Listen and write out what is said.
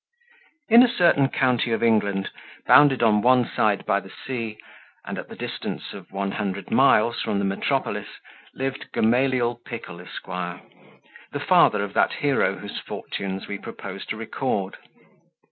In a certain county of England, bounded on one side by the sea, and at the distance of one hundred miles from the metropolis, lived Gamaliel Pickle, esq.; the father of that hero whose fortunes we propose to record.